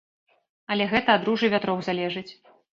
Але гэта ад ружы вятроў залежыць.